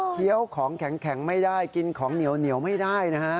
ี้ยวของแข็งไม่ได้กินของเหนียวไม่ได้นะฮะ